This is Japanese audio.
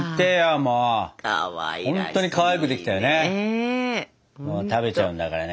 もう食べちゃうんだからね